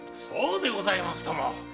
そうでございますとも！